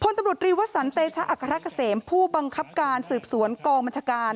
ตำรวจรีวสันเตชะอัครกเกษมผู้บังคับการสืบสวนกองบัญชาการ